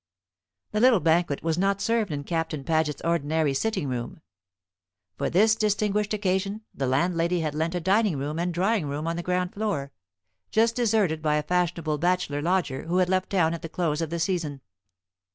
The little banquet was not served in Captain Paget's ordinary sitting room. For this distinguished occasion the landlady had lent a dining room and drawing room on the ground floor, just deserted by a fashionable bachelor lodger who had left town at the close of the season.